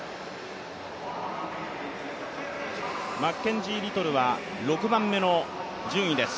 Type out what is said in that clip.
マッケンジー・リトルは６番目の順位です。